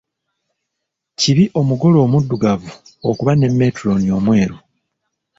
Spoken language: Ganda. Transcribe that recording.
Kibi omugole omuddugavu okuba ne metulooni omweru.